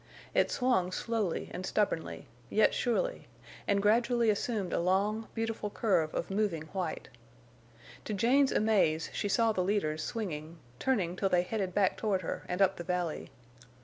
It swung slowly and stubbornly, yet surely, and gradually assumed a long, beautiful curve of moving white. To Jane's amaze she saw the leaders swinging, turning till they headed back toward her and up the valley.